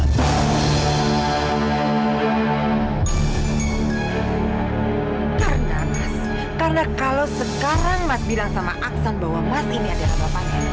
karena mas karena kalau sekarang mas bilang sama aksan bahwa mas ini adalah bapaknya